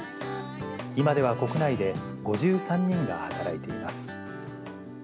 今では国内で５３人が働いています。